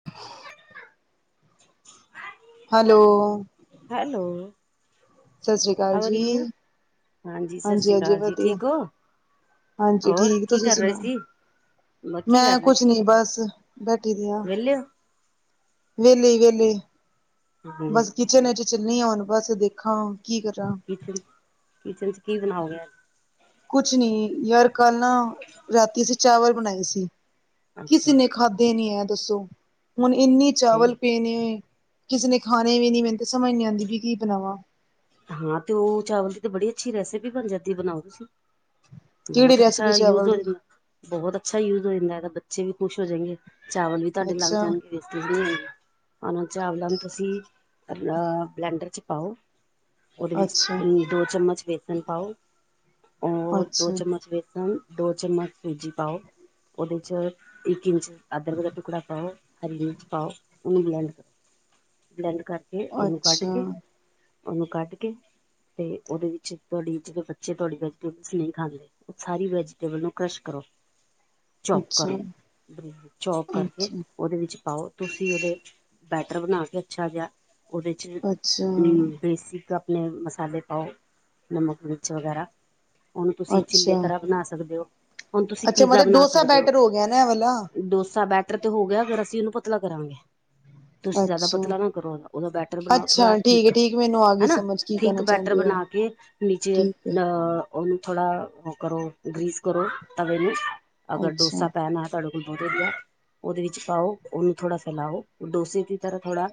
[unintelligible] Hello hello ਸਤਿ ਸ੍ਰੀ ਅਕਾਲ ਹੋਰ ਜੀ ਹਾਂਜੀ ਸਤਿ ਸ੍ਰੀ ਹਾਂਜੀ ਅਕਾਲ ਜੀ ਵਧੀਆ ਠੀਕ ਹੋ ਹਾਂਜੀ ਹੋਰ ਠੀਕ ਕੀ ਤੁਸੀਂ ਕਰ ਰਹੇ ਸੁਣਾਓ ਸੀ ਬਾ ਕੀੀ ਮੈਂ ਕਰ ਰਹੇ ਕੁਛ ਸੀ ਨੀ ਬਸ ਵਿਹਲੇ ਹੋ ਵਹਲੇ ਹੀ ਵਹਲੇ ਹਾਂਜੀ ਬਸ ਕਿਚਨ ਵਿੱਚ ਚੱਲੀਆਂ ਹੋਣ ਬਸ ਦੇਖਾਂ ਕੀ ਕਰਾਂ ਕਿਚਨ ਕਿਚਨ ਚ ਕੀ ਬਣਾਓਗੇੱਜ ਕੁਛ ਨੀ ਯਾਰ ਕੱਲ ਨਾ ਰਾਤੀ ਅਸੀਂ ਚਾਵਲ ਬਣਾਈ ਸੀ ਅੱਛਾ ਕਿਸੇ ਨੇ ਖਾਧੇ ਨੀ ਹੈ ਦੱਸੋ ਹੁਣ ਇੰਨੀ ਚਾਵਲ ਫੇਰ ਪੀਣੇ ਹੋਏ ਕਿਸੇ ਨੇ ਖਾਣੇ ਵੀ ਨੀ ਮੈਨੂੰ ਤੇ ਸਮਝ ਨਹੀਂੀ ਆਉਂਦੀ ਵੀ ਕੀ ਬਣਾਵਾਾਂ ਹਾਂ ਤੇ ਉਹ ਚਾਵਲ ਦੀ ਤੇ ਬੜੀ ਅੱਛੀ ਰੈਸਪੀ ਬਣ ਜਾਂਦੀ ਬਣਾਓ ਤੁਸੀਂ ਕਿਹੜੀ ਬਹੁਤ ਅੱਛਾ ਰੈਸਪੀ ਯੂਜ ਚਾਵਲ ਹੋ ਦੀ ਬਹੁਤ ਅੱਛਾ ਯੂਜ ਹੋ ਜਾਂਦਾ ਹੈ ਤਾਂ ਬੱਚੇ ਵੀ ਖੁਸ਼ ਹੋ ਜਾਣਗੇ ਚਾਵਲ ਵੀ ਤੁਹਾਡੇ ਲੱਗ ਅੱਛਾ ਜਾਣਗੇ ਤੀਈ ਉਹ ਚਾਵਲਾਂ ਨੂੰ ਤੁਸੀਂਹ ਬਲੈਂਡਰ ਚ ਪਾਓ ਉਹਦੇ ਵਿੱਚ ਅੱਛਾ ਦੋ ਚਮਚ ਬੇਸਨ ਪਾਓ ਰ ਦੋ ਅੱਛਾ ਚਮਚ ਬੇਸਨ ਦੋ ਚਮਚ ਸੂਜੀ ਪਾਓ ਉਹਦੇ 'ਚ ਇੱਕ ਇੰਚ ਅਦਰਕ ਦਾ ਟੁਕੜਾ ਪਾਓ ਹਰੀ ਮਿਰਚ ਪਾਓ ਉਹਨੂੰ ਬਲੈਂਡ ਕਰੋ ਬਲੈਂਡ ਕਰ ਕੇ ਅੱਛਾ ਉਹਨੂੰ ਕੱਢ ਕੇ ਉਹਨੂੰ ਕੱਢ ਕੇ ਤੇ ਉਹਦੇ ਵਿੱਚ ਤੁਹਾਡੀ ਜਿਹੜੇ ਬੱਚੇ ਤੁਹਾਡੀ ਵੈਜੀਟੇਬਲ ਨਹੀਂ ਖਾਂਦੇ ਸਾਰੀ ਵੈਜੀਟੇਬਲ ਨੂੰ ਕ੍ਰਸ਼ ਕਰੋ ਚੋਪ ਕਰ ਅੱਛਾ ਲਿਆ ਚੋਪ ਕਰਕੇ ਅੱਛਾ ਉਹਦੇ ਵਿੱਚ ਪਾਓ ਤੁਸੀਂ ਉਹਦੇ ਬੈਟਰ ਬਣਾ ਕੇ ਅੱਛਾ ਜਿਹਾ ਉਹਦੇ ਅੱਛਾ, ਬੇਸਿਕ ਆਪਣੇ ਮਸਾਲੇ ਪਾਓ ਨਮਕ ਮਿਰਚ ਵਗੈਰਾ ਉਹਨੂੰ ਤੁਸੀਂ ਚਿੱਲੇ ਅੱਛਾ, ਤਰ੍ਹਾਂ ਬਣਾ ਸਕਦੇ ਹੋ ਹੁਣ ਤੁਸੀਂ ਅੱਛਾ ਪੀਜ਼ਾ ਮਤਲਬ ਬਣਾ ਡੋਸਾ ਸਕਦੇ ਹੋ ਬੈਟਰ ਗਿਆ ਨਾ ਐ ਵਾਲਾ। ਡੋਸਾ ਬੈਠ ਤੇ ਹੋ ਗਿਆ ਅਗਰ ਅਸੀਂ ਉਹਨੂੰ ਪਤਲਾ ਕਰਾਂਗੇ ਤੁਸੀਂ ਜ਼ਿਆਦਾ ਅੱਛਾ, ਪਤਲਾ ਨਾ ਕਰੋ ਉਹਦਾ ਬੈਟਰ ਬਣਾਓ ਥੋੜਾ ਠੀਕ ਮੈਨੂੰ ਆ ਗਈ ਸੀ ਥਕ ਬੈਟਰ ਬਣਾ ਕੇ ਨੀਚੇ ਠੀਕ ਐ, ਅ ਉਹਨੂੰ ਥੋੜ੍ਹਾ ਉਹ ਗਰੀਸ ਕਰੋ ਤਵੇ ਨੂੰ। ਅਗਰ ਅੱਛਾ, ਡੋਸਾ ਪੈਣਾ ਤੁਹਾਡੇ ਬਧ ਦੀਆ ਉਹਦੇ ਵਿੱਚ ਪਾਓ ਉਹਨੂੰ ਥੋੜਾ ਫੈਲਾਓ ਡੋਸੇ ਦੀ ਤਰ੍ਹਾਂ ਥੋੜਾ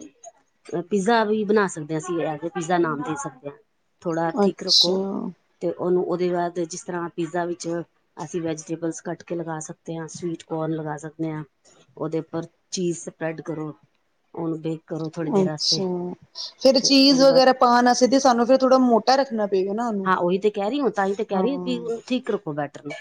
ਪੀਜ਼ਾ ਵੀ ਬਣਾ ਸਕਦੇ ਹਾਂ ਅਸੀਂ ਪੀਜ਼ਾ ਨਾਮ ਦੇ ਸਕਦੇ ਹਾਂ। ਥੋੜ੍ਹਾ ਥੀਕ ਰੱਖੋ ਅੱਛਾ, ਤੇ ਉਹਨੂੰ ਉਹਦੇ ਬਾਅਦ ਜਿਸ ਤਰ੍ਹਾਂ ਪੀਜ਼ਾ ਵਿੱਚ ਅਸੀਂ ਵੈਜੀਟੇਬਲ ਕੱਟ ਕੇ ਲਗਾ ਸਕਦੇ ਹਾਂ। ਸਵੀਟ ਕੋਰਨ ਲਗਾ ਸਕਦੇ ਹਾਂ। ਉਹਦੇ ਉੱਪਰ ਚੀਜ਼ ਸਪਰੈਡ ਕਰੋ ਓਨੂੰ ਬੇਕ ਕਰੋ ਥੋੜੀ ਦੇਰ ਵਾਸਤੇ ਫੇਿਰ ਤੇ ਚੀਜ਼ ਉਹਦੇ ਬਾਅਦ ਵਗੈਰਾ ਪਾਉਣ ਵਸੇ ਤੇ ਸਾਨੂੰ ਫਿਰ ਥੋੜਾ ਮੋਟਾ ਰੱਖਣਾ ਪਏਗਾ ਨਾ ਉਹਨੂੰ ਨਹੀਂ ਤਾਂ ਤੇ ਕਹਿ ਰਹੀ ਹਾਂ, ਥੀਕ ਰੱਖੋ ਬੈਟਰ ਨੂੰ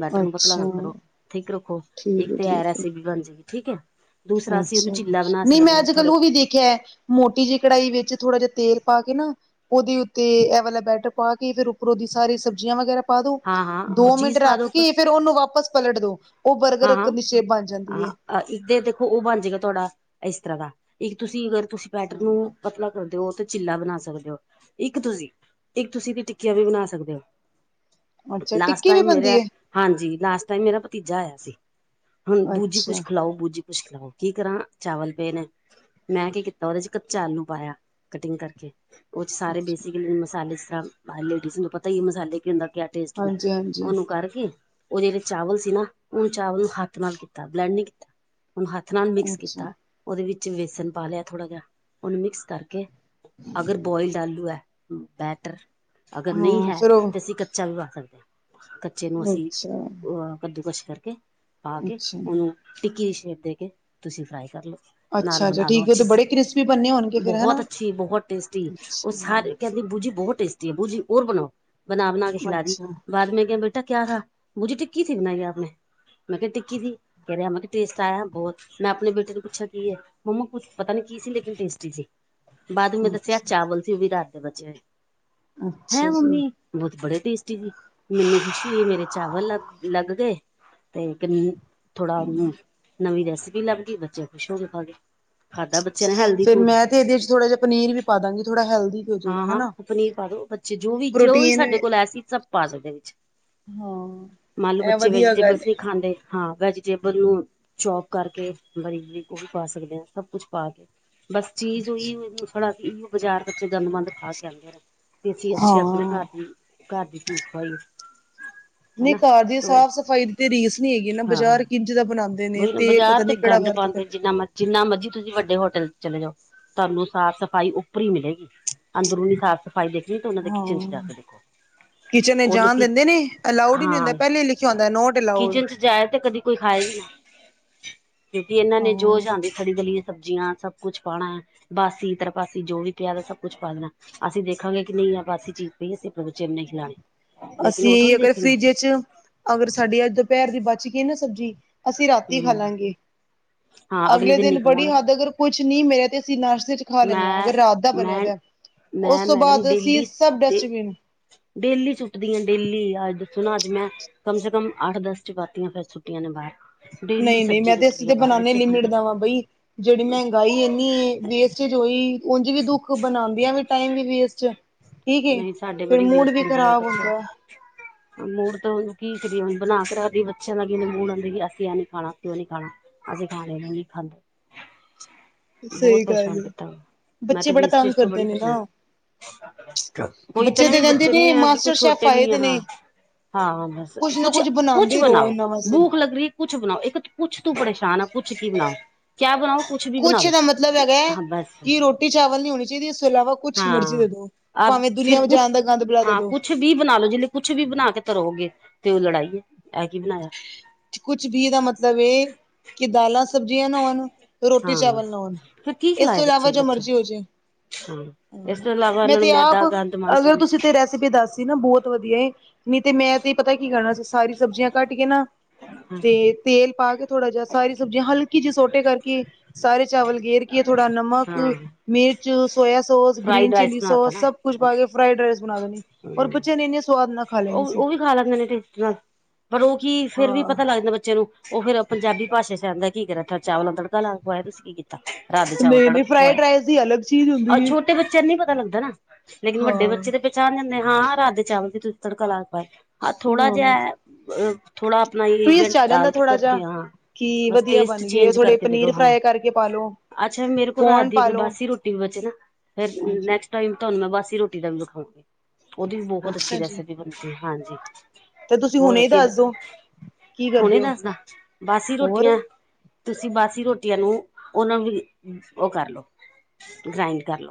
ਬੈਟਰ ਨੂੰ ਪਤਲਾ ਨਾ ਅੱਛਾ ਕਰੋ ਥੀਕ ਰੱਖੋ ਠੀਕ ਇੱਕ ਐ ਤਾਂ ਹੈ ਠੀਕ ਐ। ਰੈਸਪੀ ਬਣ ਜਾਏਗੀ। ਠੀਕ ਹੈ। ਦੂਸਰਾ ਅਸੀਂ ਉਹਨੂੰ ਅੱਛਾ। ਚਿੱਲਾ ਬਣਾ ਨਹੀਂ ਸਕਦੇ ਮੈਂ ਹਾਂ ਅੱਜ ਕੱਲ ਥੋੜੇ ਉਹ ਵੀ ਦੇਖਿਆ। ਮੋਟੀ ਜਿਹੀ ਕੜਾਹੀ ਵਿੱਚ ਥੋੜ੍ਹਾ ਜਹਾ ਤੇਲ ਪਾ ਕੇ ਨਾ ਉਹਦੇ ਉੱਤੇ ਇਹ ਵਾਲਾ ਬੈਟਰ ਪਾ ਕੇ ਫੇਰ ਉੱਪਰੋਂ ਦੀ ਸਾਰੇ ਸਬਜ਼ੀਆਂ ਵਗੈਰਾ ਪਾ ਦੋ ਹਾਂ ਹਾਂ ਉਹ ਦੋ ਮਿੰਟ ਚੀਜ਼ ਪਾ ਦੋ ਰੱਖ ਉੱਪਰ ਕੇ ਫੇਰ ਉਹਨੂੰ ਵਾਪਸ ਪਲਟ ਦੋ ਉਹ ਬਰਗਰ ਇੱਕ ਦੀ ਸ਼ੇਪ ਬਣ ਜਾਂਦੀ। ਹਾਂਜੀ। ਇੱਕ ਦੇਖੋ ਉਹ ਬਣ ਜੇਹਗਾ ਤੁਹਾਡਾ ਇਸ ਤਰ੍ਹਾਂ ਦਾ ਇੱਕ ਤੁਸੀਂ ਅਗਰ ਤੁਸੀਂ ਬੈਟਰ ਨੂੰ ਪਤਲਾ ਕਰਦੇ ਹੋ ਤੇ ਚਿੱਲਾ ਬਣਾ ਸਕਦੇ ਹੋ ਇੱਕ ਤੁਸੀਂ ਇੱਕ ਤੁਸੀ ਵੀ ਟਿੱਕੀਆਂ ਵੀ ਬਣਾ ਸਕਦੇ ਹੋ। ਅੱਛਾ ਲਾਸਟ ਟਿੱਕੀ ਵੀ ਟਾਈਮ ਮੇਰੇ ਬਣਦੀ ਹੈ ਹਾਂਜੀ। ਲਾਸਟ ਟਾਈਮ ਮੇਰਾ ਭਤੀਜਾ ਆਇਆ ਸੀ ਹੁਣ ਬੂਜੀ ਅੱਛਾ ਕੁਛ ਖਿਲਾਓ ਬੂਜੀ ਮੁਸ਼ਕਿਲ ਆ ਕੀ ਕਰਾਂ ਚਾਵਲ ਪੇ ਨੇ ਮੈਂ ਕੀ ਕੀਤਾ ਉਹਦੇ ਚ ਕਚਾ ਆਲੂ ਪਾਇਆ ਕਟਿੰਗ ਕਰਕੇ ਉਦੇ ਚ ਸਾਰੇ ਅੱਛਾ ਬੇਸਿਕ ਮਸਾਲੇ ਪਾਲੀਏ ਲੇਡੀਜ਼ ਨੂੰ ਪਤਾ ਹੀ ਮਸਾਲੇ ਕੀ ਹੁੰਦਾ ਕਿਆ ਟੇਸਟ ਹਾਂਜੀ ਹਾਂਜੀ ਉਹਨੂੰ ਕਰਕੇ ਉਹ ਵਿਚ ਚਾਵਲ ਸੀ ਨਾ ਉਹਨੂੰ ਚਾਵਲ ਨੂੰ ਹੱਥ ਨਾਲ ਕੀਤਾ ਬਲੈਂਡ ਨਹੀ ਕੀਤਾ ਉਹਨੂੰ ਹੱਥ ਨਾਲ ਮਿਕਸ ਅੱਛਾ ਕੀਤਾ ਉਹਦੇ ਵਿੱਚ ਵੇਸਨ ਪਾ ਲਿਆ ਥੋੜ੍ਹਾ ਜਿਹਾ ਉਹਨੂੰ ਮਿਕਸ ਕਰਕੇ ਅਗਰ ਬੋਇਲਡ ਆਲੂ ਹੈ ਬੈਟਰ ਅਗਰ ਨਹੀਂ ਹਾਂ ਹੈ ਫਿਰ ਉਹ ਤੇ ਅਸੀਂ ਕੱਚਾ ਵੀ ਪਾ ਸਕਦੇ ਹਾਂ। ਬੱਚੇ ਨੂੰ ਅਸੀਂ ਅੱਛਾ ਕੱਦੂਕਸ਼ ਕਰਕੇ ਪਾ ਕੇ ਅੱਛਾ ਉਹਨੂੰ ਟਿੱਕੀ ਦੀ ਸ਼ੇਪ ਦੇ ਕੇ ਤੁਸੀਂ ਫਰਾਈ ਕਰ ਲਓ। ਨਾਲ ਅੱਛਾ ਅੱਛਾ ਬਣਾ ਲੋ ਠੀਕ ਹੈ ਉਹ ਤੇ ਅੱਛੀ ਸੀ ਬੜੇ ਕ੍ਰਿਸਪੀ ਬੰਨੇ ਹੋਣਗੇ ਫਿਰ ਹਨਾ ਬਹੁਤ ਅੱਛੀ ਬਹੁਤ ਟੇਸਟੀ ਉਹ ਅੱਛਾ ਸਾਰੇ ਕਹਿੰ ਦੀ ਬੂਜੀ ਬਹੁਤ ਟੇਸਟੀ ਆ ਬੂਜੀ ਹੋਰ ਬਣਾਉ ਬਣਾ ਬਣਾ ਕੇ ਖਲਾ ਦੀ ਅੱਛਾ ਬਾਦ ਮੈਂ ਕਿਹਾ ਬੇਟਾ ਕਿਆ ਥਾ ਮੁਝੇ ਟਿੱਕੀ ਸੀ ਬਣਾਈ ਆਪ ਨੇ ਮੈਂ ਕਿਹਾ ਟਿਕੀ ਸੀ। ਕਹਿ ਰਿਹਾ ਮੈਂ ਕਿਹਾ ਟੇਸਟ ਆਇਆ ਬਹੁਤ ਮੈਂ ਆਪਣੇ ਬੇਟੇ ਨੂੰ ਪੁੱਛਿਆ ਕੀ ਹੈ? ਮੰਮਾ ਕੁਛ ਪਤਾ ਨੀ ਕੀ ਸੀ ਲੇਕਿਨ ਟੇਸਟੀ ਸੀ। ਬਾਅਦ ਮੈਂ ਦੱਸਿਆ ਅੱਛਾ ਚਾਵਲ ਸੀ ਉਹ ਵੀ ਰਾਤ ਦੇ ਬਚੇ ਅੱਛਾ ਹੈਂ! ਜੀ ਮੰਮੀ ਬਹੁਤ ਬੜੇ ਟੇਸਟੀ ਸੀ ਮੈਨੂੰ ਖੁਸ਼ੀ ਹੋਈ ਮੇਰੇ ਚਾਵਲ ਲੱਗ ਲੱਗ ਗਏ। ਤੇ ਥੋੜਾ ਨਵੀਂ ਰੈਸਿਪੀ ਲੱਭ ਗਈ ਬੱਚੇ ਖੁਸ਼ ਹੋ ਕੇ ਖਾਗੇ। ਫੇਰ ਮੈਂ ਤੇ ਇਹਦੇ ਚ ਥੋੜ੍ਹਾ ਜਿਹਾ ਪਨੀਰ ਵੀ ਪਾ ਦਾਂਗੀ ਥੋੜਾ ਹੈਲਦੀ ਵੀ ਹਾਂ ਹੋਜੇਗਾ ਹਾਂ ਹਨਾ। ਪਨੀਰ ਪਾ ਦੋ ਬੱਚੇ ਜੋ ਵੀ ਜੋ ਵੀ ਸਾਡੇ ਕੋਲ ਹੈ ਸੀ ਸਭ ਪਾ ਦੋ ਇਹਦੇ ਵਿੱਚ ਹਾਂ ਮੰਨ ਲਓ ਇਹ ਬੱਚੇ ਵਧੀਆ ਗੱਲ ਵੈਜੀਟੇਬਲਸ ਏ। ਨਹੀਂ ਖਾਂਦੇ। ਹਾਂ। ਵੈਜੀਟੇਬਲ ਨੂੰ ਚੋਪ ਕਰਕੇ ਬਰੀਕ- ਬਰੀਕ ਗੋਭੀ ਪਾ ਸਕਦੇ ਹਾਂ। ਸਭ ਕੁਛ ਪਾ ਕੇ ਬਸ ਚੀਜ਼ ਹੀ ੳਹੀ ਥੋੜਾ ਬਾਜ਼ਾਰ ਵਿੱਚ ਗੰਦਮੰਦ ਖਾ ਕੇ ਆਉਂਦੇ ਰਹੇ। ਤੇ ਅਸੀਂ ਅੱਛੇ ਆਪਣੇ ਘਰ ਹਾਂ। ਦੀ ਘਰ ਦੀ ਚੀਜ਼ ਖਵਾਈ ਕੇ। ਨਹੀਂ, ਘਰ ਦੀ ਸਾਫ਼- ਸਫ਼ਾਈ ਦੀ ਤੇ ਰੀਸ ਨਹੀਂ ਹੈਗੀ ਨਾ ਹਾਂ ਬਜ਼ਾਰ ਕਿੰਜ ਦਾ ਬਣਾਉਂਦੇ। ਨੇ ਵਹੀ ਨਾ, ਤੇਲ ਪਤਾ ਬਾਜ਼ਾਰ ਤੇ ਨੀ ਕਿਹੜਾ ਗੰਦ ਵਰਤਦੇ ਪਾਉਂਦੇ ਨੇ। ਜਿੰਨਾ ਮਰ ਜਿੰਨਾ ਮਰਜੀ ਤੁਸੀਂ ਵੱਡੇ ਹੋਟਲ ਚ' ਚਲੇ ਜਾਓ। ਤੁਹਾਨੂੰ ਸਾਫ਼ -ਸਫ਼ਾਈ ਉੱਪਰੀ ਮਿਲੇਗੀ। ਅੰਦਰੂਨੀ ਸਾਫ਼ ਸਫ਼ਾਈ ਦੇਖਣੀ ਤੇ ਉਹਨਾਂ ਦੇ ਹਾਂ ਕਿਚਨ ਚ ਜਾ ਕੇ ਦੇਖੋ। ਕਿਚਨ ਵਿਚ ਉਦੋਂ ਜਾਣ ਕਿ ਦਿੰਦੇ ਨੇ ਅਲਾਡ ਈ ਨੀ ਹੁੰਦਾ। ਹਾਂ ਪਹਿਲੇ ਹੀ ਲਿਖਿਆ ਹੂੰਦਾ ਨੋਟ ਅਲਾਡ। ਕਿਚਨ ਚ ਜਾਏ ਤੇ ਕਦੀ ਕੋਈ ਖਾਏ ਹੀ ਨਾ ਕਿਉਂਕਿ ਇਹਨਾਂ ਨੇ ਜੋ ਹਾਂ ਚ ਆਦੀ ਸੜੀ ਦਲੀਆਂ ਸਬਜ਼ੀਆਂ ਸਭ ਕੁੱਛ ਪਾਣਾ ਬਾਸੀ ਤਰਪਾਸੀ ਜੋ ਵੀ ਪਿਆ ਦਾ ਸਭ ਕੁੱਛ ਪਾ ਦੇਣਾ। ਅਸੀਂ ਦੇਖਾਂਗੇ ਕਿ ਨੀ ਆ ਬਾਸੀ ਚੀਜ਼ ਨੀ ਅਸੀ ਆਪਣੇ ਬੱਚਿਆਂ ਨੂੰ ਨਹੀਂ ਖਲਾਣੀ। ਅਸੀਂ ਅਗਰ ਫਰਿੱਜ ਚ ਅਗਰ ਸਾਡੀ ਅੱਜ ਦੁਪਹਿਰ ਦੀ ਬਚ ਗਈ ਨਾ ਸਬਜ਼ੀ, ਅਸੀਂ ਰਾਤੀ ਖਾ ਹਮ ਲਾਂਗੇ। ਹਾਂ ਅਗਲੇ ਦਿਨ ਨਹੀਂ ਬੜੀ ਖਾਵਾਂਗੇ ਹੱਦ ਅਗਰ ਕੁਛ ਨੀ ਮਿਲਿਆ ਤੇ ਅਸੀਂ ਨਾਸ਼ਤੇ ਚ ਖਾ ਲੈਂਦੇ ਹਾਂ ਮੈਂ ਅਗਰ ਰਾਤ ਦਾ ਬਣਿਆ ਮੈਂ ਤਾਂ ਉਸ ਮੈਂ ਤੋਂ ਮੈਡਮ ਬਾਅਦ ਅਸੀਂ ਡੇਲੀ ਸਭ ਡੇ ਡਸਟਬਿਨ ਡੇਲੀ ਸੁੁੱਟਦੀਆਂ ਡੇਲੀ ਅੱਜ ਦੱਸੋ ਨਾ ਅੱਜ ਮੈਂ ਕਮ ਸੇ ਕਮ ਅੱਠ ਦਸ ਚਪਾਤੀਆਂ ਫਿਰ ਸੁਟੀਆਂ ਨੇ ਬਾਹਰ। ਡੇਲੀ ਨਈ, ਨਈ ਸਬਜ਼ੀ ਮੈਂ ਤੇ ਅਸੀ ਸੁੱਟਦੀ ਆ ਤਾ ਬਾਹਰ ਬਣਾਨੇ ਹੀ ਬੱਚੇ ਲਿਮੀਟ ਖਾਂਦੇ ਦਾ ਵਾਬਈ ਜਿਹੜੀ ਮਹਿੰਗਾਈ ਏਨੀ ਵੇਸਟਜ ਹੋਈ ਉਝ ਵੀ ਕੂਝ ਬਣਾਉਂਦੀ ਆ ਵੀ ਟਾਈਮ ਵੀ ਵੇਸਟ ਠੀਕ ਏ ਨਹੀਂ ਫੇਰ ਮੂਡ ਵੀ ਖ਼ਰਾਬ ਹੁੰਦਾ। [inaudible] ਮੂਡ ਤੋਂ ਕੀ ਕਰੀਏ ਬਣਾ ਕੇ ਰੱਖਦੀਏ ਬੱਚਿਆਂ ਦਾ ਮਡਉਂਦੀ ਅਸੀਂਹ ਨੀ ਖਾਣਾ ਅਸੀਂ ਉਹ ਨੀ ਖਾਣਾ। ਅਸੀਂ ਖਾਣੇ ਨੂੰ ਨਹੀਂ ਖਾਂਦੇ। ਬਹੁਤ ਸਹੀ ਗੱਲ ਪਰੇਸ਼ਾਨ ਏ ਕੀਤਾ ਮੈਂ ਬੱਚੇ ਤੇ ਬੜਾ ਤੰਗ ਵੇਸਟੇਜ ਤੋਂ ਕਰਦੇ ਬੜੀ ਨੇ ਪਰੇ ਨਾ। ਕੋਈ ਇਤਨੇ ਤੇ ਵੀ ਕਹਿੰਦੇ ਬੱਚੇ ਨੀ ਨੇ ਐ, ਬਿਲਕੁਲ ਮਾਸਟਰ ਸ਼ੈਫ ਛੋਟੇ ਵੀ ਆਏ ਨੀ ਦੇ ਹਾਂ। ਨੇ ਹਾਂ ਬਸ ਕੁੱਝ ਨਾ ਕੁਛ, ਕੁੱਝ ਕੁਛ ਬਣਾਂਦੇ ਰਹੋ ਬਣਾਓ ਇਹਨਾਂ ਵਾਸਤੇ। ਭੂਖ ਲੱਗ ਰਹੀ ਕੁੱਛ ਬਣਾਓ, ਇੱਕ ਕੁੱਛ ਤੂੰ ਪਰੇਸ਼ਾਨ ਆ, ਕੁੱਛ ਕੀ ਬਣਾਓ ਕਿਆ ਬਣਾਊ ਕੁਛ ਦਾ ਮਤਲਬ ਹੈਗਾ ਹੈ ਕਿ ਰੋਟੀ ਚਾਵਲ ਨੀ ਹੋਣੀ ਚਾਹੀਦੀ, ਇਸ ਤੋਂ ਇਲਾਵਾ ਕੁਛ ਮਰਜ਼ੀ ਹਾਂ ਦੇ ਦੋ। ਅਬ ਭਾਵੇਂ ਫਿਰ ਦੁਨੀਆਂ ਕੁਛ ਵਜਹਾਨ ਦਾ ਗੰਦ ਭਲਾ ਦੇ ਹਾਂ ਦੋ ਕੁਛ ਵੀ ਬਣਾ ਲੋ ਜੇ ਕੁਛ ਵੀ ਬਣਾ ਕੇ ਧਰੋਗੇ ਤੇ ਉਹ ਲੜਾਈ ਏ। ਐ ਕੀ ਬਣਾਇਆ? ਕੁਛ ਵੀ ਦਾ ਮਤਲਬ ਏ ਕਿ ਦਾਲਾਂ ਸਬਜ਼ੀਆਂ ਨਾ ਹੋਣ, ਰੋਟੀ ਹਾਂ ਚਾਵਲ ਨਾ ਹੋਣ ਫਿਰ ਕੀ ਇਸ ਖਿਲਾਏ ਤੋਂ ਬੱਚੇ ਇਲਾਵਾ ਜੋ ਬੱਚਾ ਮਰਜ਼ੀ ਹੋ ਜਾਵੇ। ਹਾਂ ਇਸ ਹ ਤੋਂ ਇਲਾਵਾ ਮੈਂ ਇਹਨਾਂ ਨੂੰ ਤੇ ਆਪ ਮੈਦਾ ਗੰਦ ਮੰਦ ਅਗਰ ਤੁਸੀਂ ਹਾਂ ਤੇ ਰੈਸਪੀ ਦੱਸ ਸੀ ਨਾ ਬਹੁਤ ਵਧੀਆ ਏ ਨਈ ਤੇ ਮੈਂ ਤੇ ਪਤਾ ਕੀ ਕਰਨਾ ਸੀ ਸਾਰੀ ਸਬਜ਼ੀਆਂ ਕਟ ਕੇ ਨਾ ਤੇ ਤੇਲ ਪਾ ਕੇ ਥੋੜ੍ਹਾ ਜਿਹਾ ਸਾਰੀ ਸਬਜ਼ੀਆਂ ਹਲਕੀ ਜਿਹੇ ਸੋਟੇ ਕਰਕੇ ਸਾਰੇ ਚਾਵਲ ਗੇਰ ਕੇ ਥੋੜਾ ਨਮਕ, ਹਾਂ ਮਿਰਚ soya sauce, green fried rice chilli ਬਣਾ ਤਾ ਸੋਸ ਨਾ ਸਭ ਕੁਛ ਪਾ ਕੇ ਫਰਾਈਡ ਰਾਈਸ ਬਣਾ ਦੇਣੀ ਬੱਚਿਆਂ ਨੇ ਇੰਨੇ ਸਵਾਦ ਨਾਲ ਖਾ ਲੈਣੀ ਉਹ ਸੀ। ਉਹ ਵੀ ਖਾ ਲੈਂਦੇ ਨੇ ਟਟ ਨਾਲ ਪਰ ਉਹ ਕੀ ਫੇਰ ਵੀ ਹਾਂ ਪਤਾ ਲੱਗ ਜਾਂਦਾ ਬੱਚੇ ਨੂੰ। ਉਹ ਫੇਰ ਪੰਜਾਬੀ ਭਾਸ਼ਾ ਚ ਆਂਦਾ, ਕੀ ਕਰਾਂ ਚਾਵਲਾਂ ਤੜਕਾ ਲਾ ਖਵਾ ਇਹ ਤੁਸੀ ਕੀ ਕੀਤਾ। ਰਾਤ ਦੇ ਚਾਵਲ ਨਹੀਂ ਫੜ੍ਹ ਨਹੀਂ ਕੇ ਫਰਾਈਡ ਰਾਈਸ ਦੀ ਅਲੱਗ ਚੀਜ਼ ਖਵਾਏ। ਹੁੰਦੀ ਹੈ ਛੋਟੇ ਬੱਚਿਆਂ ਨੂੰ ਨੀ ਪਤਾ ਲੱਗਦਾ ਨਾ ਲੇਕਿਨ ਵੱਡੇ ਹਾਂ ਬੱਚੇ ਤੇ ਪਹਿਚਾਣ ਜਾਂਦੇ ਹਾਂ ਰਾਤ ਦੇ ਚਾਵਲ ਦੀ ਤੁ ਤੜਕਾ ਲਾ ਕੇ ਪਾਏ ਆਹ ਥੋੜਾ ਹਮ ਜਿਹਾ। ਥੋੜਾ ਆਪਣਾ ਟਵਿਸਟ ਇਈਵੈਂਟ ਆ ਡਾਲ ਜਾਂਦਾ ਕੇ ਥੋੜਾ ਜਿਹਾ ਕਰਕੇ ਹਾਂ। ਕਿ ਬਸ ਵਧੀਆ ਟੇਸਟ ਬਣ ਗਏ ਚੇਂਜ ਥੋੜੇ ਕਰਕੇ ਦੇ ਦੋ ਪਨੀਰ ਹਾਂ। ਫਰਾਈ ਕਰਕੇ ਪਾਲੋ ਅੱਛਾ, ਮੇਰੇ ਕੋਲ ਰਾਤ ਕੋਰਨ ਦੀ ਅਗਰ ਪਾਲੋ ਬਸ ਹੀ ਰੋਟੀ ਵੀ ਬਚੇ ਨਾ ਫਿਰ ਹਾਂਜੀ ਟਾਈਮ ਤੁਹਾਨੂੰ ਮੈਂ ਬਸੀ ਰੋਟੀ ਦਾ ਵੀ ਵਿਖਾਉਗੀ, ਉਹਦੀ ਵੀ ਬਹੁਤ ਅੱਛੀ ਅੱਛਾ ਜੀ ਰੈਸਪੀ ਬਣਦੀ ਹਾਂਜੀ। ਤੇ ਤੁਸੀਂ ਬਹੁਤ ਹੁਣੇ ਹੀ ਅੱਛੀ, ਦੱਸ ਦੋ ਕੀ ਹੁਣੇ ਕਰਦੇ ਹੋ ਦੱਸਦਾ ਬਸ ਹੀ ਹੋਰ ਰੋਟੀਆਂ ਤੁਸੀਂ ਬਾਸੀ ਰੋਟੀਆਂ ਨੂੰ ਉਹਨਾਂ ਵੀ, ਉਹ ਕਰ ਲਓ, ਗ੍ਰਾਇੰਡ ਕਰ ਲਓ।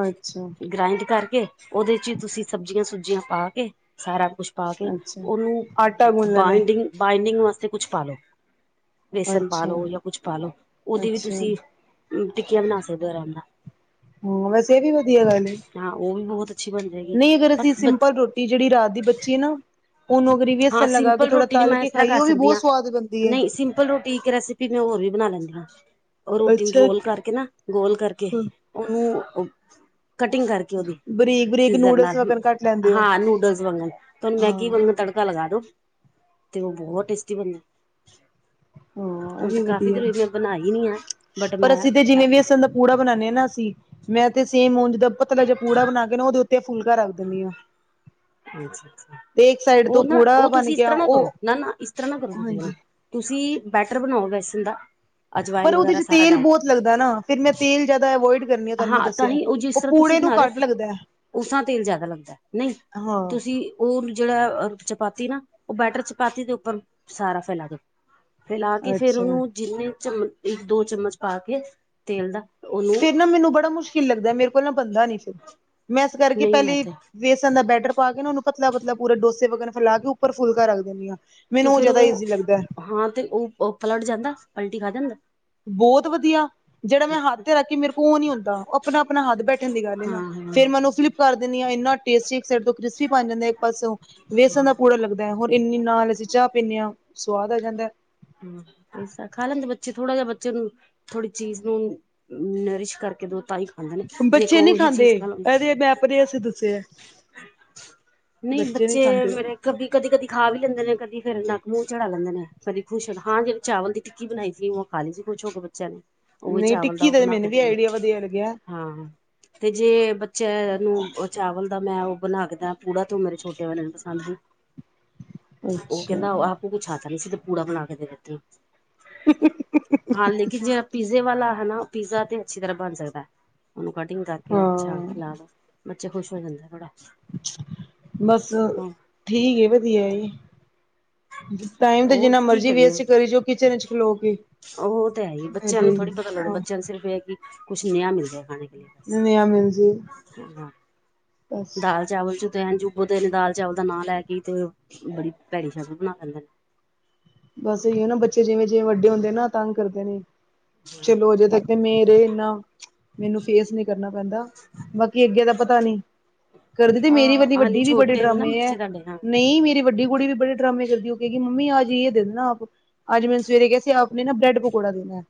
ਅੱਛਾ। ਗ੍ਰਾਇੰਡ ਕਰਕੇ ਉਹਦੇ ਚ ਹੀ ਤੁਸੀਂ ਸਬਜ਼ੀਆਂ ਸੁਬਜੀਆਂ ਪਾ ਕੇ ਸਾਰਾ ਕੁਛ ਪਾ ਕੇ ਅੱਛਾ ਉਹਨੂੰ ਆਟਾ ਗੁੰਨ ਲੈਣਾ ਬਾਈਡਿੰਗ ਬਾਈਡਿੰਗ ਵਾਸਤੇ ਕੁਛ ਪਾਾਲੋ ਵੇਸਨ ਪਾ ਅੱਛਾ ਲੋ ਜਾਂ ਕੁਛ ਪਾ ਲੋ ਉਹਦੀ ਵੀ ਅੱਛਾ ਤੁਸੀਂ ਟਿੱਕੀਆਂ ਬਣਾ ਸਕਦੇ ਹੋ ਆਰਾਮ ਨਾਲ ਹੋਰ ਵੈਸੇ ਇਹ ਵੀ ਵਧੀਆ ਗੱਲ ਏ ਹਾਂ। ਉਹ ਵੀ ਬਹੁਤ ਅੱਛੀ ਬਣ ਜਾਏਗੀ ਨਹੀਂ ਅਗਰ ਅਸੀਂ ਬਸ ਸਿੰਪਲ ਰੋਟੀ ਜਿਹੜੀ ਰਾਤ ਦੀ ਬੱਚੀ ਆ ਨਾ ਉਹਨੂੰ ਗਰੀਵੀ ਹਾਂ ਲਗਾ ਕੇ ਸਿੰਪਲ ਥੋੜਾ ਰੋਟੀ ਦੀ ਤਲ ਮੈਂ ਕੇ ਇਸ ਤਰ੍ਹਾਂ ਖਾਈ ਕਰ ਉਹ ਵੀ ਸਕਦੀ ਬਹੁਤ ਹਾਂ ਸਵਾਦ ਬਣਦੀ ਏ ਨਹੀਂ ਸਿੰਪਲ ਰੋਟੀ ਇੱਕ ਰੈਸਪੀ ਮੈਂ ਹੋਰ ਵੀ ਬਣਾ ਲੈਂਦੀ ਹਾਂ ਉਹ ਰੋਟੀ ਨੂੰ ਅੱਛਾ ਰੋਲ ਕਰਕੇ ਨਾ ਗੋਲ ਕਰਕੇ ਉਹਨੂੰ ਕਟਿੰਗ ਕਰਕੇ ਉਹਦੀ ਬਰੀਕ ਬਰੀਕ ਸੀਜ਼ਰ ਨਾਲ ਨੂਡਲਸ ਵਗਣ ਕੱਟ ਲੈਂਦੇ ਹੋ ਹਾਂ ਨੂਡਲ ਤੁਹਾਨੂੰ ਮੈਗੀ ਹਾਂ ਵਾਂਗਣ ਤੜਕਾ ਲਗਾ ਦੋ ਤੇ ਉਹ ਬਹੁਤ ਟੇਸਟੀ ਬਣਦੀ ਹਾਂ ਇਹ ਹੁਣ ਵੀ ਤੇ ਕਾਫ਼ੀ ਵਧੀਆ ਦੇਰ ਮੈਂ ਬਣਾਈ ਨੀ ਆ ਬਟ ਮੈਂ ਕੂੜਾ ਬਣਾਦੇ ਹ ਨਾ ਅਸੀ ਮੈਂ ਤੇ ਸੇਮ ਉਂਜ ਦਾ ਪਤਲਾ ਜ ਕੂੜਾ ਬਣਾ ਕੇ ਨਾ ਉਹਦੇ ਉੱਤੇ ਫੁਲਕਾ ਰੱਖ ਦਿੰਦੀ ਹਾਂ ਅੱਛਾ -ਅੱਛਾ ਤੇ ਇੱਕ ਸਾਈਡ ਤੋਂ ਉਹ ਨਾ ਪੂੜਾ ਉਹ ਬਣ ਤੁਸੀਂ ਇਸ ਗਿਆ ਤਰ੍ਹਾਂ ਨਾ ਕਰੋ ਉਹ ਨਾ ਨਾ ਇਸ ਤਰ੍ਹਾਂ ਨਾ ਕਰੋ ਹਾਂਜੀ ਤੁਸੀਂ ਬੈਟਰ ਬਣਾਓ ਵੈਸਣ ਦਾ ਪਰ ਅਜਵਾਇਨ ਉਹਦੇ ਵਗੈਰਾ ਚ ਸਾਰਾ ਤੇਲ ਡਾਲ ਬਹੁਤ ਲੱਗਦਾ ਨਾ ਫਿਰ ਮੈਂ ਤੇਲ ਜਿਆਦਾ ਅਵੋਇਡ ਕਰਨੀ ਆ ਤੁਹਾਨੂੰ ਮੈਂ ਹਾਂ ਦੱਸਿਆ ਉਹ ਪੂੜੇ ਨੂੰ ਘਟ ਲੱਗਦਾ ਉਸਾਂ ਤੇਲ ਜਿਆਦਾ ਲੱਗਦਾ ਨਹੀਂ ਹਾਂ ਤੁਸੀਂ ਤੇ ਉਹ ਜਿਹੜਾ ਚਪਾਤੀ ਨਾ ਉਹ ਬੈਟਰ ਚਪਾਤੀ ਦੇ ਉੱਪਰ ਸਾਰਾ ਫੈਲਾ ਦਿਓ ਫੈਲਾ ਕੇ ਫੇਰ ਅੱਛਾ ਉਹਨੂੰ ਜਿੰਨੇ ਚਮ ਇੱਕ ਦੋ ਚਮਚ ਪਾ ਕੇ ਤੇਲ ਦਾ ਉਹਨੂੰ ਫਿਰ ਨਾ ਮੈਨੂੰ ਬੜਾ ਮੁਸ਼ਕਿਲ ਲੱਗਦਾ ਮੇਰੇ ਕੋਲ ਨਾ ਬੰਦਾ ਨੀ ਸੀ ਮੈਂ ਇਸ ਕਰਕੇ ਨਹੀਂ ਮੈਂ ਪਹਿਲੇ ਤੇ ਵੇਸਣ ਦਾ ਬੈਟਰ ਪਾ ਕੇ ਨਾ ਉਹਨੂੰ ਪਤਲਾ ਪਤਲਾ ਪੂ ਡੋੇ ਵਗੈਰਾ ਫੈਲਾ ਕੇ ਉੱਪਰ ਫੁਲਕਾ ਰੱਖ ਦਿੰਦੀ ਹਾਂ ਤੇ ਮੈਨੂੰ ਫੇਿਰ ਜ਼ਿਆਦਾ ਉਹ ਈਜ਼ੀ ਲੱਗਦਾ ਹਾਂ ਤੇ ਉਹ ਪਲਟ ਜਾਂਦਾ ਪਲਟੀ ਖਾ ਜਾਂਦਾ ਬਹੁਤ ਵਧੀਆ ਜਿਹੜਾ ਮੈਂ ਹੱਥ ਤੇ ਰੱਖੀ ਮੇਰੇ ਕੋਲ ਉਹ ਨੀ ਹੁੰਦਾ ਉਹ ਆਪਣਾ ਆਪਣਾ ਹੱਥ ਬੈਠਣ ਦੀ ਗੱਲ ਹੇ ਨਾ ਹਾਂ ਹਾਂ ਫੇਿਰ ਮੈਨੂੰ ਫਲਿਪ ਕਰ ਦਿੰਦੀ ਹਾਂ ਇੰਨਾ ਟੇਸ ਸਡ ਤੋਂ ਕ੍ਰਿਸਪੀ ਬਣ ਜਾਂਦਾ ਹੈ ਇੱਕ ਪਾਸੇਓ ਵੇਸਣ ਦਾ ਪੂੜਾ ਲੱਗਦਾ ਹਣ ਇੰਨੀ ਨਾਲ ਅਸੀਂ ਚਾਹ ਪੀਂਦੇ ਹਾਂ ਸਵਾਦ ਆ ਜਾਂਦਾ ਹਮ ਪਸਾ ਖਾ ਲੈਂਦੇ ਬੱਚੇ ਥੋੜਾ ਜਿਹਾ ਬੱਚੇ ਨੂੰ ਥੋੜੀ ਚੀਜ਼ ਨੂੰ ਨਰਿਸ਼ ਕਰਕੇ ਦੋਤਾਈ ਖਾਂਦੇ ਨੇ ਜੇ ਬੱਚੇ ਨੀ ਕੋਈ ਇਹੀ ਖਾਂਦੇ ਚੀਜ਼ ਖਾਣ ਇਹਦੇ ਮੈਂ ਆਪਣੇ ਅਸੀਂ ਦੱਸਿਆ ਨਹੀਂ ਨੀ ਬੱਚੇ ਖਾਂਦੇ ਮੇਰੇ ਕਦੀ -ਕਦੀ -ਕਦੀ ਖਾ ਵੀ ਲੈਂਦੇ ਨੇ ਕਦੀ ਫੇਰ ਨੱਕ ਮੂੰਹ ਚੜਾ ਲੈਂਦੇ ਨੇ ਕਦੀ ਖੁਸ਼ ਹਨ ਹਾਂ ਜਿਹੜੀ ਚਾਵਲ ਦੀ ਟਿੱਕੀ ਬਣਾਈ ਸੀ ਉਹ ਖਾ ਲਈ ਸੀ ਖੁਸ਼ ਹੋ ਕੇ ਬੱਚਿਆਂ ਨੇ ਉਹੀ ਨਹੀਂ ਚਾਵਲ ਟਿੱਕੀ ਉਹ ਦਾ ਬਣਾ ਕੇ ਮੈਨੂੰ ਵੀ ਦਈਏ ਆਈਡੀਆ ਵਧੀਆ ਲੱਗਿਆ ਹਾਂ ਤੇ ਜੇ ਬੱਚਿਆਂ ਨੂੰ ਚਾਵਲ ਦਾ ਮੈਂ ਉਹ ਬਣਾ ਕੇਦਾ ਪੂੜਾ ਤ ਮੇਰੇ ਛੋਟੇ ਵਾਲਿਆਂ ਨੂੰ ਪਸੰਦ ਨੀ ਉਹ ਅੱਛਾ ਕਹਿੰਦਾ ਆਪੋ ਕੁਛ। ਆਤਾ ਨੀ ਸੀ ਤੇ ਪੂੜਾ ਬਣਾ ਕੇ ਦੇ ਦਿੱਤੀ ਹਾਂ ਲੇਕਿਨ ਜਿਹੜਾ ਪੀਜ਼ੇ ਵਾਲਾ ਹੈਨਾ ਉਹ ਪੀਜ਼ਾ ਤੇ ਅੱਛੀ ਤਰ੍ਹਾਂ ਬਣ ਸਕਦਾ ਹੈ ਉਹਨੂੰ ਕਟਿੰਗ ਕਰਕੇ ਅੱਛਾ ਹਾਂ ਖਿਲਾ ਦੋ ਬੱਚੇ ਖੁਸ਼ ਹੋ ਜਾਂਦੇ ਥੋੜਾ ਬਸ ਠੀਕ ਵਧੀਆ ਏ ਟਾਈਮ ਤਾਂ ਉਹ ਜਿੰਨਾ ਕੀ ਮਰਜ਼ੀ ਕਰੀਏ ਵੇਸਟ ਕਰੀ ਜਾਓ ਕਿਚਨ ਚ ਖਲੋ ਕੇ ਉਹ ਤਾਂ ਹੈ ਹੀ ਬੱਚਿਆਂ ਨੂੰ ਥੋੜ੍ਹੀ ਪਤਾ ਲ ਲੋੜ ਬੱਚਿਆਂ ਨੂੰ ਸਿਰਫ਼ ਇਹ ਹੈ ਕਿ ਕੁਛ ਨਿਆ ਮਿਲਦੇ ਖਾਣੇ ਕੇ ਲਿਏ ਨਯਾ ਮਿਲਜੂ ਬਸ ਹਾਂ। ਦਾਲ ਚਾਵਲ ਚ ਤੇ ਅੰਜੂਬਤੇ ਨੇ ਦਾਲ ਚਾਵਲ ਦਾ ਨਾਂ ਲੈ ਕੇ ਤੇ ਬੜੀ ਭੈੜੀ ਨਜਰ ਬਣਾ ਲੈਂਦੇ ਨੇ ਬਸ ਇਹੀ ਹੈ ਨਾ ਬੱਚੇ ਜਿਵੇਂ ਜਿਵੇਂ ਵੱਡੇ ਹੁੰਦੇ ਨਾ ਤਗਂ ਕਰਦੇ ਨੇ ਨੇ। ਚਲੋ ਹਜੇ ਤੱਕ ਤੇ ਮੇਰੇ ਇਨਾ ਮੈਨੂੰ ਫੇਸ ਨੀ ਕਰਨਾ ਪੈਂਦਾ ਬਾਕੀ ਅੱਗੇ ਦਾ ਪਤਾ ਨੀ ਕਰਦੀ ਤੇ ਮੇਰੀ ਹਾਂ ਵਡੀ ਹਾਲੀ -ਵੱਡੀ ਵੀ ਬੜੇ ਛੋਟੇ ਨੇ ਨਾ ਡਰਾਮੇ ਹੈ ਬੱਚੇ ਤੁਹਾਡੇ ਹਾਂ ਨਹੀਂ ਮੇਰੀ ਵੱਡੀ ਕੁੜੀ ਵੀ ਬੜੇ ਡਰਾਮੇ ਕਰਦੀ ਹੋਗੀ ਮੰਮੀ ਆ ਜਾਈਏ ਆਪ ਅੱਜ ਮੈਨੂੰ ਸਵੇਰੇ ਕ ਸੀ ਆਪ ਨੇ ਨਾ ਬ੍ਰੈਡ ਪਕੌੜਾ ਦੇਣਾ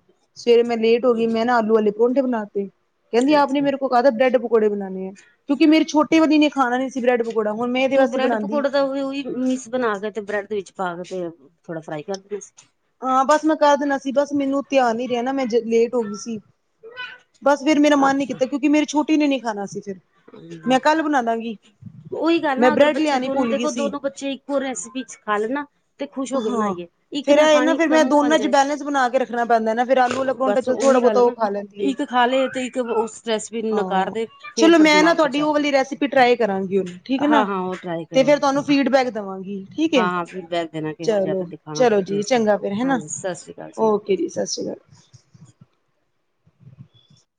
ਸਵੇਰੇ ਮੈਂ ਲੇਟ ਹੋ ਗਈ ਮੈਂ ਨਾ ਆਲੂ ਲੂ ਵਾਲੇ ਪਰੌਠੇ ਬਣਾਤੇ ਕਹਿੰਦੀ ਆਪ ਨੇ ਅੱਛਾ। ਮੇਰੇ ਕੋ ਕਾਹਦਾ ਬ੍ਰੈਡ ਪਕੌੜ ਬਉਦੇਣੇ ਆ ਕਿਉਂਕਿ ਮੇਰੀ ਛੋਟੀ ਵਾਲੀਨੇ ਖਾਣਾ ਨਹੀ ਸੀ ਬ੍ਰੈ ਪਕੌੜਾ ਹਣ ਮੈਂ ਇਹਦੇ ਵਸਤੇ ਬਣਾਉਂਦੀ ਵੀ ਉਹੀ ਮੀਸ ਬਣਾ ਕੇ ਤੇ ਬ੍ਰੈਡ ਦੇ ਵਿੱਚ ਪਾ ਕੇ ਤੇ, ਥੋੜਾ ਫਰਾਈ ਕਰ ਦੇਦੇ ਸੀ। ਹਾਂ। ਬਸ ਮੈਂ ਕਰ ਦੇਦਾ ਸੀ ਬਸ ਮੈਨੂੰ ਧਿਆਨ ਨ ਰਿਹਾ ਨਾ ਮੈਂ ਲੇਟ ਹੋ ਗਈ ਸੀ। ਬਸ ਫੇਰ ਮੇਰਾ ਮਨ ਨੀ ਕੀਤਾ ਸੀ। ਕਿਉਂਕਿ ਮੇਰੀ ਛੋਟੀ ਨੇ ਨੀ ਖਾਣਾ ਸੀ। ਫਿਰ ਮੈਂ ਕੱਲ ਬਣਾ ਦਾਂਗੀ ਉਹੀ ਗੱਲ ਮੈਂ ਨਾ ਅਗਰ ਬ੍ਰੈਡ ਬੱਚੇ ਲਿਆਣੀ ਦੋਨੋ ਭੁੱਲ ਗਈ ਦੇਖੋ, ਸੀ ਦੋਨੋ ਬੱਚੇ ਉਹ ਰੈਸਿਪੀ ਚ' ਖਾ ਲੈਣਾ। ਤੇ ਖੁਸ਼ ਹੋ ਕੇਏ ਹਾਂ। ਬਣਾਈਏ। ਇੱਕ ਫੇਰ ਨੇ ਇਹ ਖਾਣੀ, ਨਾ ਇੱਕ ਫਿਰ ਦ ਮੈਂ ਮੂੰਹ ਬਣ ਦੋਨਾਂ ਚ ਬੈਲੈਂਸ ਬਣਾ ਕੇ ਰੱਖਣਾ ਪੈਂਦਾ ਨਾ ਫਿਰ ਆਲੂ ਜਾਏ। ਵਾਲਾ ਪਰੌਂਠਾ ਬਸ ਚੱਲ ਥੋੜਾ ਉਹੀ ਬਹੁਤਾ ਗੱਲ ਉਹ ਨਾ। ਖਾ ਲੈਂਦੀ ਏ। ਇੱਕ ਖਾ ਲਏ। ਤੇ ਇੱਕ ਉਸ ਰੈਸਪੀ ਨੂੰ ਨਕਾਰ ਹਾਂ ਦੇ। ਫੇਰ ਚਲੋ, ਮੈਂ ਨਾ ਪਰਮਾਨ ਤੁਹਾਡੀ ਪਰਚਾ ਉਹ ਵਾਲੀ ਰੈਸਪੀ ਟਰਾਈ ਕਰਾਂਗੀ। ਉਹਨੂੰ ਠੀਕ ਹੈ ਨਾ। ਹਾਂ ਹਾਂ ਉਹ ਟਰਾਈ ਤੇ ਕਰੋ ਫੇਰ ਤੁਹਾਨੂੰ ਫੀਡ ਬੈਗ ਦਵਾਂਗੀ ਠੀਕ। ਹੈ ਹਾਂ ਫਿਰ ਬੈਗ ਦੇਣਾ। ਕਿਹੋ ਜਿਹਾ ਚਲੋ ਫਿਰ ਦਿਖਾਣਾ ਚਲੋ ਕੀ ਜੀ ਟੇਸਟ ਹੈ ਚੰਗਾ ਫਿਰ ਹੈਨਾ। ਹਾਂਜੀ ਸਤਿ ਸ਼੍ਰੀ ਅਕਾਲ ਓਕੇ ਜੀ, ਸਤਿ ਸ਼੍ਰੀ ਅਕਾਲ। [inaudible]